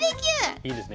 いいですね。